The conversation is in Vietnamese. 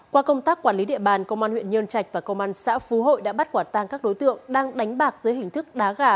qua công tác quản lý địa bàn công an huyện nhơn trạch và công an xã phú hội đã bắt quả tang các đối tượng đang đánh bạc dưới hình thức đá gà